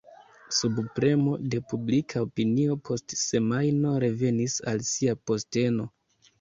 Sub premo de publika opinio post semajno revenis al sia posteno.